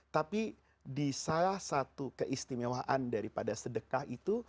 tapi di salah satu keistimewaan daripada sedekah itu